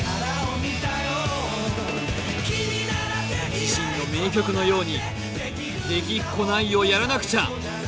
自身の名曲のように「できっこないをやらなくちゃ」